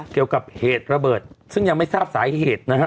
เกี่ยวกับเหตุระเบิดซึ่งยังไม่ทราบสาเหตุนะฮะ